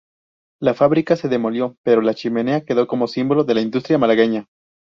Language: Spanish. La fábrica se demolió pero la chimenea quedó como símbolo de la industria malagueña.